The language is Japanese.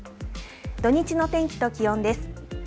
土日の天気と気温です。